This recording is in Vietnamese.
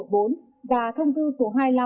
và thông tư số hai trăm năm mươi hai nghìn một mươi ba